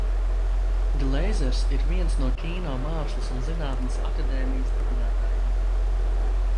Gleizers ir viens no Kino mākslas un zinātnes akadēmijas dibinātājiem.